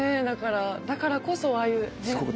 だからだからこそああいうね。